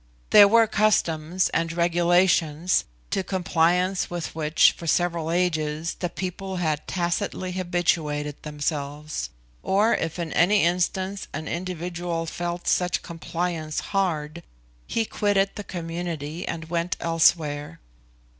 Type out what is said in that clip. There were customs and regulations to compliance with which, for several ages, the people had tacitly habituated themselves; or if in any instance an individual felt such compliance hard, he quitted the community and went elsewhere.